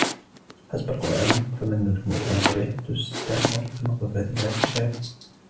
حسب القرآن ، فما النجوم إلا مصابيح تُستعمل كمقذوفات لرجم الشياطين.